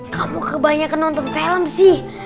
kamu kebanyakan nonton film sih